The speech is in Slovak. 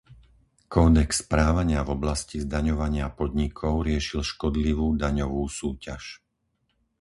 Kódex správania v oblasti zdaňovania podnikov riešil škodlivú daňovú súťaž.